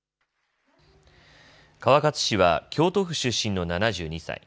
川勝氏は京都府出身の７２歳。